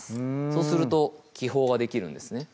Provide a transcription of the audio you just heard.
そうすると気泡ができるんですね